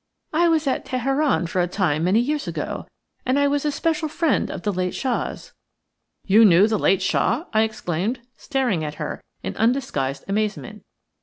I was at Teheran for a time many years ago, and I was a special friend of the late Shah's." "You knew the late Shah!" I exclaimed, staring at her in undisguised amazement.